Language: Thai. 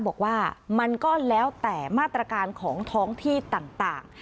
บอกว่ามันก็แล้วแต่มาตรการของท้องที่ต่าง